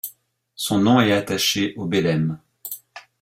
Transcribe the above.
Son nom est attaché au Belem.